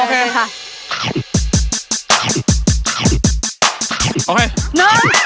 กิ่งก่อน